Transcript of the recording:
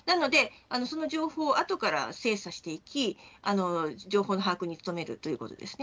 その情報をあとから精査していき情報の把握に努めることです。